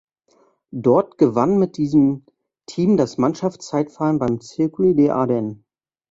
Dort gewann mit diesem Team das Mannschaftszeitfahren beim Circuit des Ardennes.